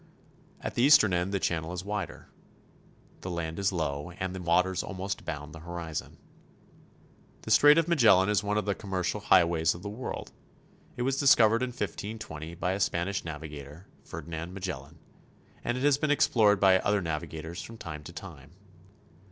At the eastern end the channel is wider. The land is low, and the waters almost bound the horizon. The Strait of Magellan is one of the commercial high ways of the world. It was discovered in 1520 by a Span ish navigator, Ferdinand Magellan, and has been explored by other navigators from time to time.